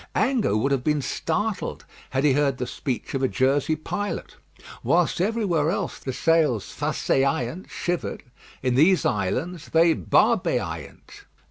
Ango would have been startled had he heard the speech of a Jersey pilot. Whilst everywhere else the sails faseyaient (shivered), in these islands they barbeyaient.